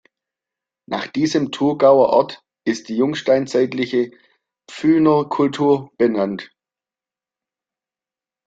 Nach diesem Thurgauer Ort ist die jungsteinzeitliche "Pfyner Kultur" benannt.